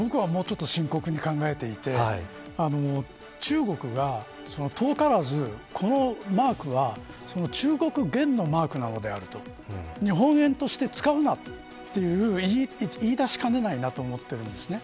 僕はもうちょっと深刻に考えていて中国が遠からずこのマークは中国元のマークであると日本円として使うなという言い方をしかねないと思います。